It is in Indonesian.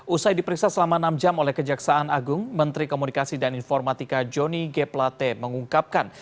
usai diperiksa selama enam jam oleh kejaksaan agung menteri komunikasi dan informatika johnny g plate mengungkapkan